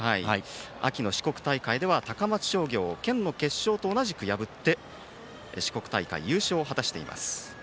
秋の四国大会では高松商業を県の決勝と同じく破って四国大会優勝を果たしています。